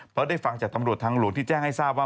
เพราะได้ฟังจากตำรวจทางหลวงที่แจ้งให้ทราบว่า